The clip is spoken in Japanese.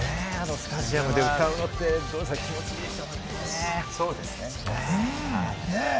スタジアムで歌うのって気持ちいいですよね。